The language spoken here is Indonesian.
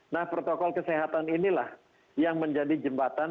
nah protokol kesehatan inilah yang menjadi jembatan